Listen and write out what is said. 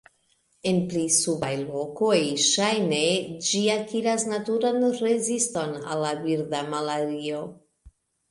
En pli subaj lokoj, ŝajne ĝi akiras naturan reziston al la birda malario.